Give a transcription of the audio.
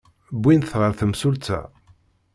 Wwin-t ɣer temsulta.